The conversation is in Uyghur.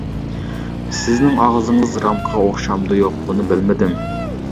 سىزنىڭ ئاغزىڭىز رامكىغا ئوخشامدۇ-يوق، بۇنى بىلمىدىم.